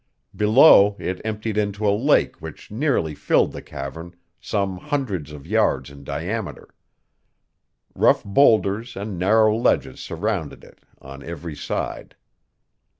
Below, it emptied into a lake which nearly filled the cavern, some hundreds of yards in diameter. Rough boulders and narrow ledges surrounded it on every side.